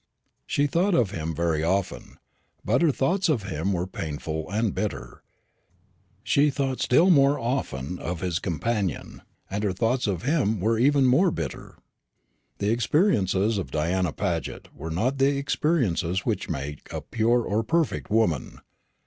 She thought of him very often; but her thoughts of him were painful and bitter. She thought still more often of his companion; and her thoughts of him were even more bitter. The experiences of Diana Paget are not the experiences which make a pure or perfect woman.